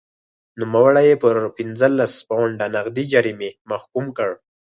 نوموړی یې پر پنځلس پونډه نغدي جریمې محکوم کړ.